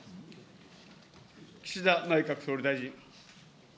岸田内閣総理大臣。